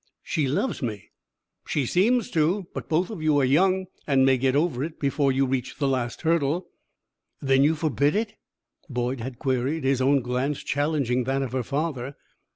"She loves me." "She seems to. But both of you are young and may get over it before you reach the last hurdle." "Then you forbid it?" Boyd had queried, his own glance challenging that of her father.